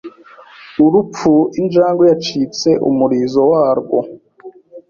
Urupfu Injangwe yacitse umurizo warwo